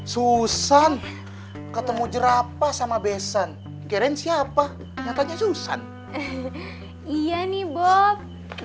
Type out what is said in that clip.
susan ketemu jerapa sama besan karen siapa nyatanya susan iya nih bob